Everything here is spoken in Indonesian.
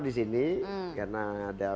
disini karena ada